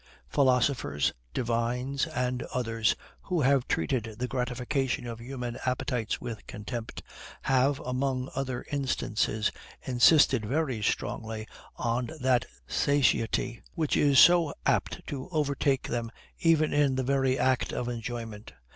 Philosophers, divines, and others, who have treated the gratification of human appetites with contempt, have, among other instances, insisted very strongly on that satiety which is so apt to overtake them even in the very act of enjoyment.